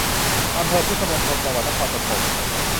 อำเภอพุทธมณฑล จังหวัดนครปฐม